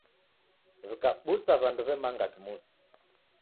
W'ikabusa w'andu w'emanga kimusi.